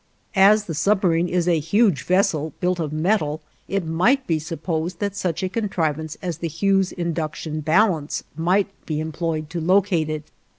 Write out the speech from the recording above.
As the submarine is a huge vessel built of metal, it might be supposed that such a contrivance as the Hughes induction balance might be employed to locate it.